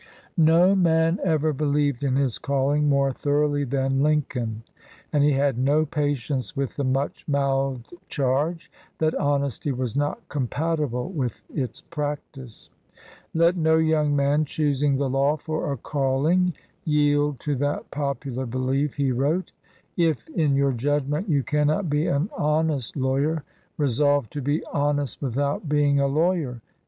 No man ever believed in his calling more thoroughly than Lincoln, and he had no patience with the much mouthed charge that honesty was not compatible with its practice. "Let no young man choosing the law for a calling yield to that popular belief '" he wrote. "If, in your judgment, you cannot be an honest lawyer, resolve to be honest without being a lawyer.